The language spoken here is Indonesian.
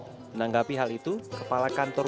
menanggapi hal itu kepala kantor